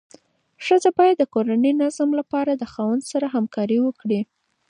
ښځه باید د کورني نظم لپاره د خاوند سره همکاري وکړي.